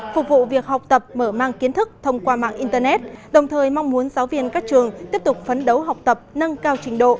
phục vụ việc học tập mở mang kiến thức thông qua mạng internet đồng thời mong muốn giáo viên các trường tiếp tục phấn đấu học tập nâng cao trình độ